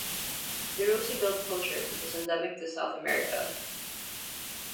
The rosy-billed pochard is endemic to South America.